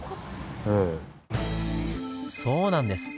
そうなんです！